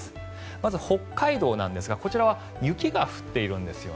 まず北海道なんですがこちらは雪が降っているんです。